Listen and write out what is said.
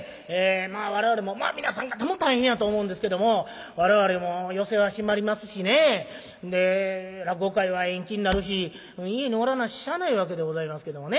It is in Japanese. まあ我々もまあ皆さん方も大変やと思うんですけども我々も寄席は閉まりますしねえで落語会は延期になるし家におらなしゃあないわけでございますけどもね。